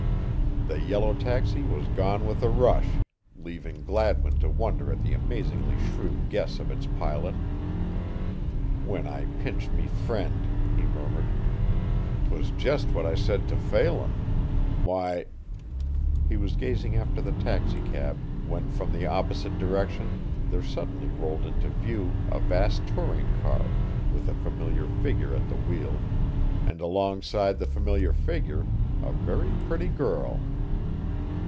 The yellow taxi was gone with a rush, leaving Gladwin to wonder at the amazingly shrewd guess of its pilot. "When I pinch me frind," he murmured. "'Twas just what I said to Phelan. Why" He was gazing after the taxicab when from the opposite direction there suddenly rolled into view a vast touring car with a familiar figure at the wheel, and alongside the familiar figure a very pretty girl.